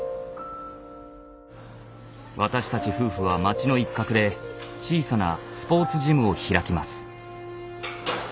私たち夫婦は町の一角で小さなスポーツジムを開きます。